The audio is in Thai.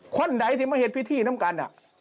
คนใดที่มาเห็นพิธีน้ำกัน